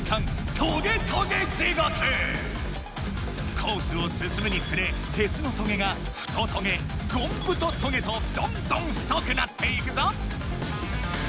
コースを進むにつれ鉄のトゲが「ふとトゲ」「ゴンぶとトゲ」とどんどん太くなっていくぞ！